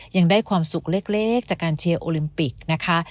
ยังได้ความสุขเล็กจากการเชียร์โอลิมปิกนะคะ